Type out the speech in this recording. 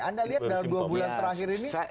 anda lihat dalam dua bulan terakhir ini